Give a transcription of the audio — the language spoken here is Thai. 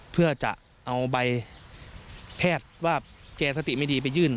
เพื่อจะเอาใบแพทย์ว่าแกสติไม่ดีไปยื่น